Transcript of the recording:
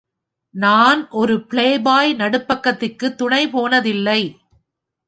நான் ஒருபோதும் "பிளேபாய்" நடுப்பக்கதிற்கு துணை போனதில்லை.